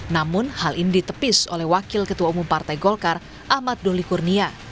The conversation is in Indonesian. namun hal ini ditepis oleh wakil ketua umum partai golkar ahmad doli kurnia